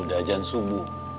udah ajaran subuh